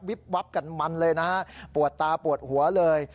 วับกันมันเลยนะฮะปวดตาปวดหัวเลย